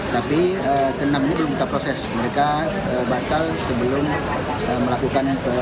tapi enam ini belum kita proses mereka bakal sebelum melakukan kelima